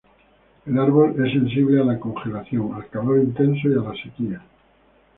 El árbol es sensible a la congelación, al calor intenso y a la sequía.